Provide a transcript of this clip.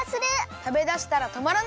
たべだしたらとまらない！